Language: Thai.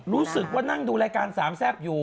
รู้สึกว่านั่งดูรายการสามแซ่บอยู่